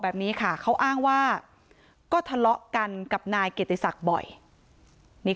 แบบนี้ค่ะเขาอ้างว่าก็ทะเลาะกันกับนายเกียรติศักดิ์บ่อยนี่